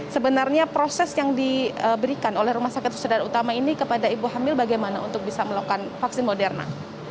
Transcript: sebenarnya proses yang diberikan oleh rumah sakit susadaran utama ini kepada ibu hamil bagaimana untuk bisa melakukan vaksin moderna